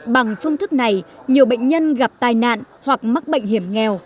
bằng phương thức này nhiều bệnh nhân gặp tai nạn hoặc mắc bệnh hiểm nghèo